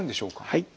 はい。